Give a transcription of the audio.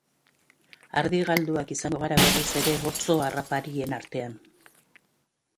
Ardi galduak izango gara berriz ere otso harraparien artean.